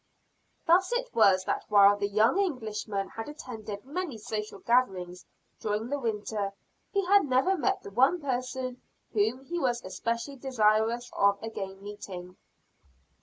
Thus it was that while the young Englishman had attended many social gatherings during the winter he had never met the one person whom he was especially desirous of again meeting.